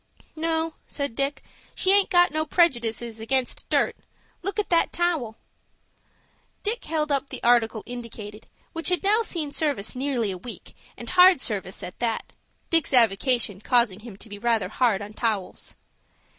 "No," said Dick. "She aint got no prejudices against dirt. Look at that towel." Dick held up the article indicated, which had now seen service nearly a week, and hard service at that,—Dick's avocation causing him to be rather hard on towels.